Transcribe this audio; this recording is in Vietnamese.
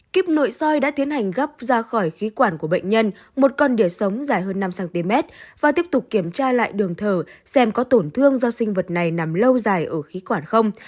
kíp nội soi đã tiến hành gấp ra khỏi khí quản của bệnh nhân một con đỉa sống dài hơn năm cm và tiếp tục kiểm tra lại đường thở xem có tổn thương do sinh vật này nằm lâu dài ở khí quản không